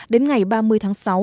đến ngày ba mươi tháng sáu